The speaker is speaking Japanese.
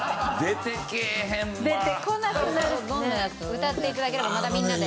歌って頂ければまたみんなで。